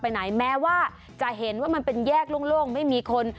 ไหนแม้ว่าจะเห็นว่ามันเป็นแยกโล่งไม่มีคน